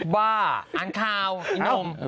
บ้าอ่างคาวอินม